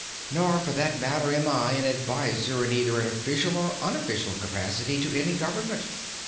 Nor, for that matter, am I an advisor in either an official or unofficial capacity to any government.